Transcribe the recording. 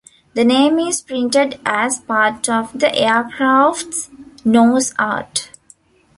The name is printed as part of the aircraft's nose art.